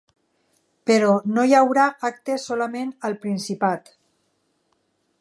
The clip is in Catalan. Però no hi haurà actes solament al Principat.